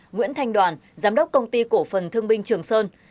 nguyễn thanh đoàn giám đốc công ty cổ phần thương binh trường sơn